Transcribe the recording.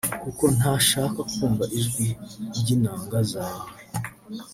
kuko ntashaka kumva ijwi ry’inanga zawe”